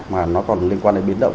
mà nó còn liên quan đến biến động